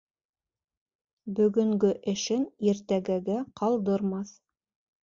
Бөгөнгө эшен иртәгәгә ҡалдырмаҫ.